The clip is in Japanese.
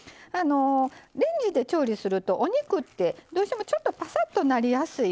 レンジで調理するとお肉ってどうしてもちょっとぱさっとなりやすい。